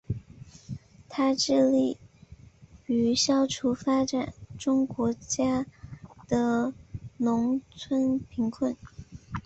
它致力于消除发展中国家的农村贫困。